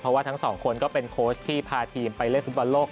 เพราะว่าทั้งสองคนก็เป็นโค้ชที่พาทีมไปเล่นฟุตบอลโลก